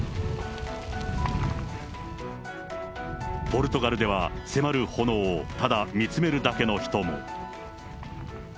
ポルトガルでは、迫る炎をただ見つめるだけの人も。